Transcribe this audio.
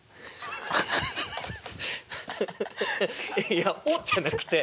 いや「おっ！？」じゃなくて。